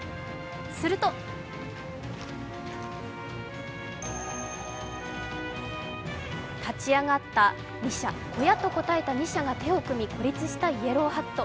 すると立ち上がった２社、小屋と答えた２社が手を組み孤立したイエローハット。